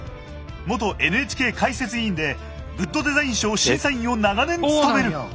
元ＮＨＫ解説委員でグッドデザイン賞審査員を長年務める。